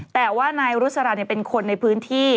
แต่ว่าไนฮเป็นคนในพื้นที